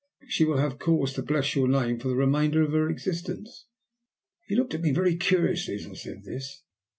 She will have cause to bless your name for the remainder of her existence." He looked at me very curiously as I said this.